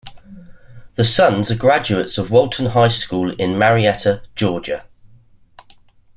The sons are graduates of Walton High School in Marietta, Georgia.